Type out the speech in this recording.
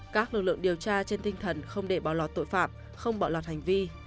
các lực lượng điều tra trên tinh thần không để bỏ lọt tội phạm không bỏ lọt hành vi